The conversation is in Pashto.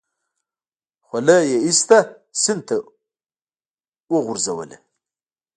خولۍ يې ايسته سيند ته يې وگوزوله.